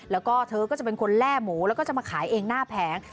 แล้วก็เธอก็จะเป็นคนแล่หมูแล้วก็จะมาขายเองหน้าแผง